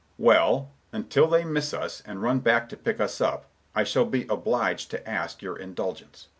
Mr. Richards: "Well, until they miss us, and run back to pick us up, I shall be obliged to ask your indulgence.